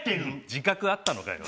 自覚あったのかよ。